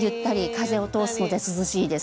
風を通すので涼しいです。